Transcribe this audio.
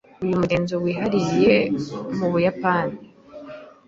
Uyu mugenzo wihariye mubuyapani.